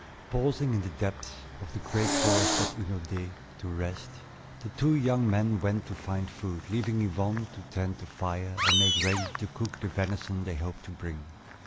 Pausing in the depths of the great forest of Hunaudaye to rest, the two young men went to find food, leaving Yvonne to tend the fire and make ready to cook the venison they hoped to bring.